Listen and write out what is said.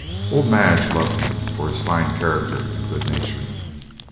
Old Madge loved him for his fine character and good nature.